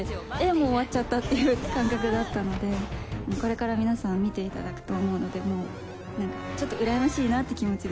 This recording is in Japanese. もう終わっちゃったっていう感覚だったのでこれから皆さん見ていただくと思うので何かちょっとうらやましいなって気持ちです。